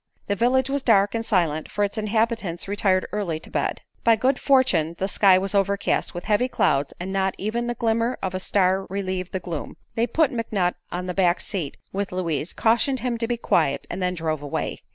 The village was dark and silent, for its inhabitants retired early to bed. By good fortune the sky was overcast with heavy clouds and not even the glimmer of a star relieved the gloom. They put McNutt on the back seat with Louise, cautioned him to be quiet, and then drove away.